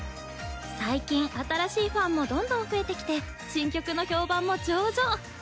最近新しいファンもどんどん増えてきて新曲の評判も上々。